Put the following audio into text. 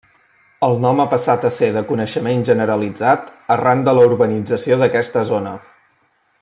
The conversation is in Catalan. El nom ha passat a ser de coneixement generalitzat arran de la urbanització d'aquesta zona.